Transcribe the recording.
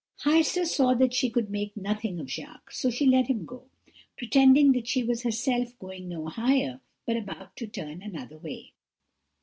"Heister saw that she could make nothing of Jacques, so she let him go, pretending that she was herself going no higher, but about to turn another way.